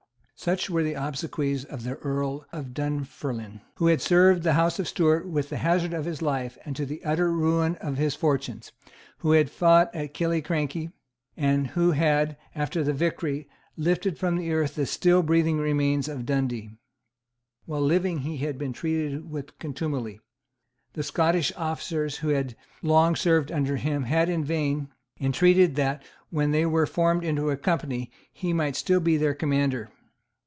Such were the obsequies of the Earl of Dunfermline, who had served the House of Stuart with the hazard of his life and to the utter ruin of his fortunes, who had fought at Killiecrankie, and who had, after the victory, lifted from the earth the still breathing remains of Dundee. While living he had been treated with contumely. The Scottish officers who had long served under him had in vain entreated that, when they were formed into a company, he might still be their commander.